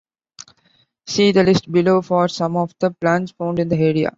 See the list below for some of the plants found in the area.